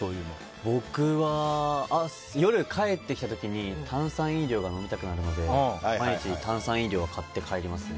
僕は夜、帰ってきた時に炭酸飲料が飲みたくなるので毎日、炭酸飲料は買って帰りますね。